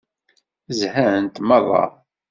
Zhant meṛṛa.